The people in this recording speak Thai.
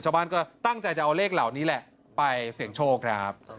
ชาวบ้านก็ตั้งใจจะเอาเลขเหล่านี้แหละไปเสี่ยงโชคนะครับ